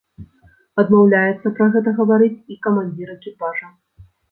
Адмаўляецца пра гэта гаварыць і камандзір экіпажа.